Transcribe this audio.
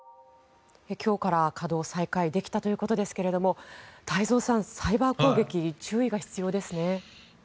今日から稼働再開できたということですが太蔵さん、サイバー攻撃注意が必要ですね。